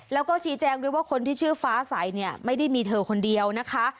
แล้วก็ชี้แจงด้วยว่าคนที่ชื่อฟ้าใสเนี่ยไม่ได้มีเธอคนเดียวนะคะ